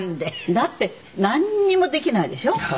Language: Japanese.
だってなんにもできないでしょ。